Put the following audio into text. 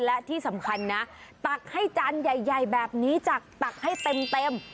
และที่สำคัญนะตักให้จานใหญ่แบบนี้จากตักให้เต็ม